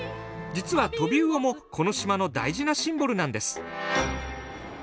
実はトビウオもこの島の大事なシンボルなんです。